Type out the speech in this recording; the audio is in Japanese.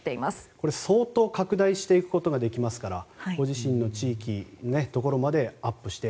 これ、相当拡大していくことができますからご自身の地域のところまでアップして